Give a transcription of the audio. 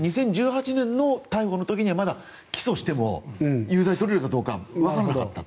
２０１８年の逮捕の時にはまだ、起訴しても有罪を取れるかどうかわからなかった。